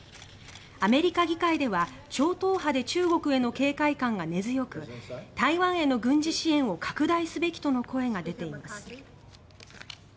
アメリカ議会では超党派で中国への警戒感が根強く台湾への軍事支援を拡大すべきとの声が出ています。